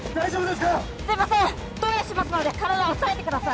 すいません投与しますので体を押さえてください